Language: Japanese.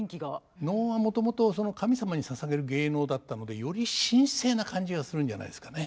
能はもともと神様に捧げる芸能だったのでより神聖な感じはするんじゃないですかね。